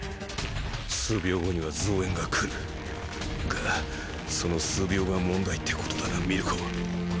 数秒後には増援が来る！がその数秒が問題ってことだなミルコ。